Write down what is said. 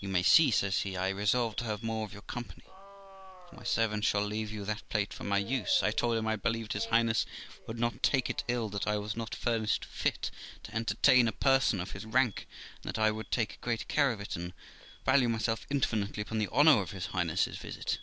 'You may see', says he, 'I resolve to have more of your company, for my servant shall leave you that plate for my use.' I told him I believed his Highness would not take it ill that I was not furnished fit to entertain a person of his rank, and that I would take great care of it, and value myself infinitely upon the honour of his Highness's visit.